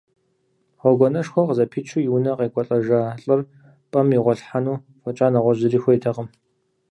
Гъуэгуанэшхуэ къызэпичу и унэ къекӏуалӏэжа лӏыр пӏэм игъуэлъхьэну фӏэкӏа нэгъуэщӏ зыри хуейтэкъым.